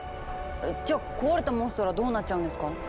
じゃ壊れたモンストロはどうなっちゃうんですか？